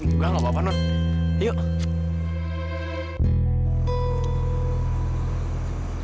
enggak enggak enggak non yuk